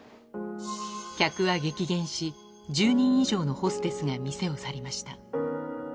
客は激減し、１０人以上のホステスが店を去りました。